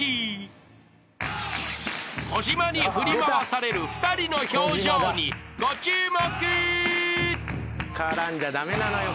［小島に振り回される２人の表情にご注目］